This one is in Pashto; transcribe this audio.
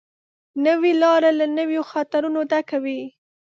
نوې لاره له نویو خطرونو ډکه وي